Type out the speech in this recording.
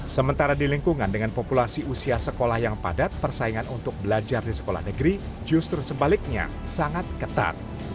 sementara di lingkungan dengan populasi usia sekolah yang padat persaingan untuk belajar di sekolah negeri justru sebaliknya sangat ketat